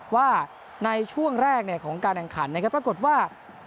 ว่าในช่วงแรกของการแข่งขันนะครับปรากฏว่า